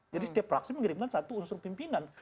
jadi setiap praksi mengirimkan satu unsur pimpinan